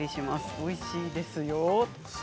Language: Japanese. おいしいですよ。